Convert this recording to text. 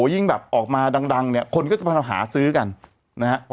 ยิ่งแบบออกมาดังเนี่ยคนก็จะมาหาซื้อกันนะฮะ